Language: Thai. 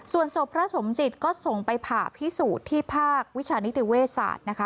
ส่วนศพพระสมจิตก็ส่งไปผ่าพิสูจน์ที่ภาควิชานิติเวศาสตร์นะคะ